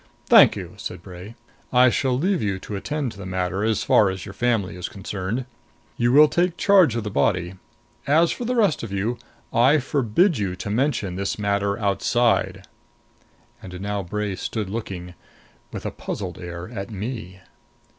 "Thank you," said Bray. "I shall leave you to attend to the matter, as far as your family is concerned. You will take charge of the body. As for the rest of you, I forbid you to mention this matter outside." And now Bray stood looking, with a puzzled air, at me.